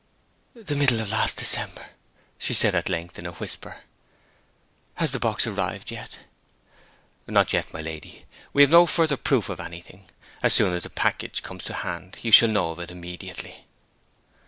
'The middle of last December,' she at length said, in a whisper. 'Has the box arrived yet?' 'Not yet, my lady. We have no further proof of anything. As soon as the package comes to hand you shall know of it immediately.'